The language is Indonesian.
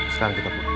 sekarang kita berdua